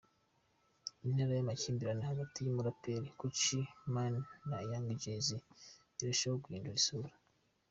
Intera y’amakimbirane hagati y’umuraperi Gucci Mane na Young Jeezy irarushaho guhindura isura.